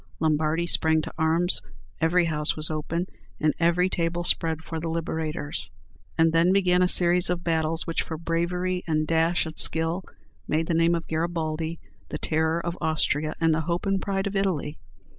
Lombardy sprang to arms. Every house was open, and every table spread for the Liberators. And then began a series of battles, which, for bravery and dash and skill, made the name of Garibaldi the terror of Austria, and the hope and pride of Italy.